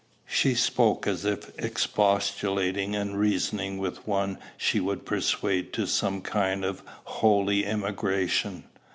She spoke as if expostulating and reasoning with one she would persuade to some kind of holy emigration.